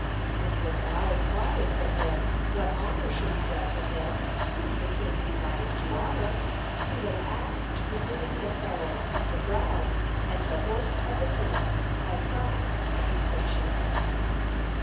And when thou inquirest of him what honor should be done to him whom the king delighteth to honor, he will ask to be given the apparel, the crown, and the horse of the king as signs of distinction."